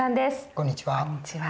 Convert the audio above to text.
こんにちは。